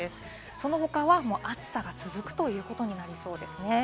その他は暑さが続くということになりそうですね。